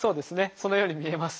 そのように見えます。